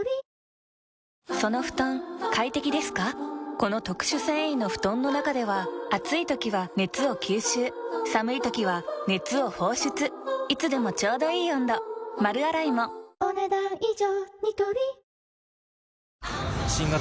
この特殊繊維の布団の中では暑い時は熱を吸収寒い時は熱を放出いつでもちょうどいい温度丸洗いもお、ねだん以上。